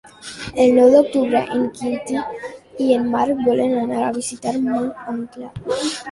El nou d'octubre en Quintí i en Marc volen anar a visitar mon oncle.